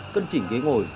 cân chỉnh ghế ngồi